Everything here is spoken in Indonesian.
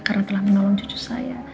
karena telah menolong cucu saya